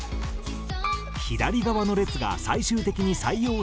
左側の列が最終的に採用した歌詞。